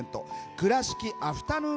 倉敷アフタヌーン